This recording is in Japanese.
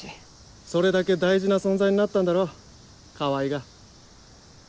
それだけ大事な存在になったんだろ川合が。